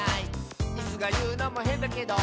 「イスがいうのもへんだけど」